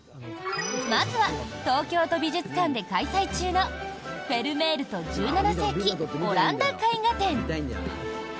まずは東京都美術館で開催中の「フェルメールと１７世紀オランダ絵画展」。